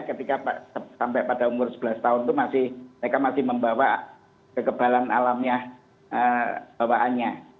ketika sampai pada umur sebelas tahun itu mereka masih membawa kekebalan alamiah bawaannya